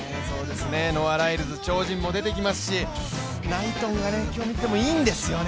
ノア・ライルズ、超人も出てきますしナイトンがいいんですよね。